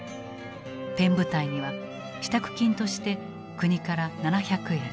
「ペン部隊」には支度金として国から７００円